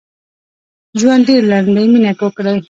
ژوند ډېر لنډ دي مينه وکړئ